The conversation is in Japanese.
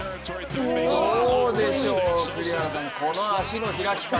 どうでしょう、栗原さんこの足の開き方。